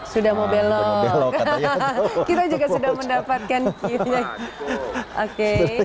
sudah mau belok kita juga sudah mendapatkan cue nya